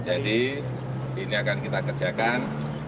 jadi ini akan kita kerjakan